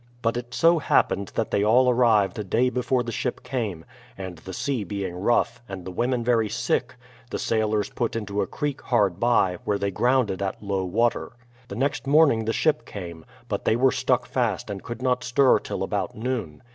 But it so hap pened that they all arrived a day before the ship came, and the sea being rough, and the women very sick, the sailors THE PLYMOUTH SETTLEMENT 11 put into a creek hard by, where they grounded at low water. The next morning the ship came, but they were stuck fast and could not stir till about noon.